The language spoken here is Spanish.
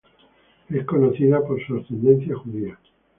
Es conocida por su ascendencia judía.